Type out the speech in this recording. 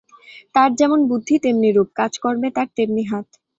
তার যেমন বুদ্ধি তেমনি রূপ, কাজকর্মে তার তেমনি হাত।